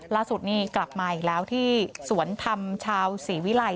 ล่าสุดนี่กลับมาอีกแล้วที่สวนธรรมชาวศรีวิลัย